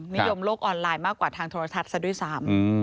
นิยมโลกออนไลน์มากกว่าทางโทรทัศน์ซะด้วยซ้ำ